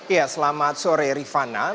ya selamat sore rifana